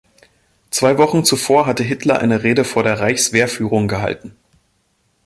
Zwei Wochen zuvor hatte Hitler eine Rede vor der Reichswehrführung gehalten.